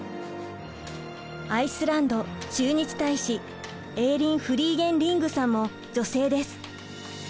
アイスランド駐日大使エーリン・フリーゲンリングさんも女性です。